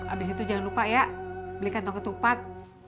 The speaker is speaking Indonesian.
abis itu jangan lupa ya beli kantong ketupat